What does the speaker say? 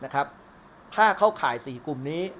ถ้าเข้าข่าย๔กลุ่มนี้